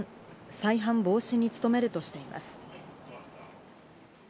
再発防止に努めるとしています。